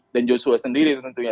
dan joshua sendiri tentunya